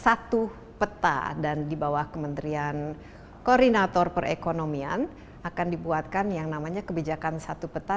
satu peta dan di bawah kementerian koordinator perekonomian akan dibuatkan yang namanya kebijakan satu peta